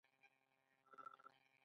د ځمکې ښویدنه په پنجشیر کې کیږي